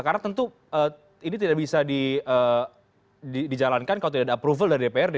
karena tentu ini tidak bisa dijalankan kalau tidak ada approval dari dprd